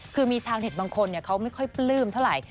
คือมีชาวเน็ตบางคนเขาไม่ค่อยปลื้มเท่าไหร่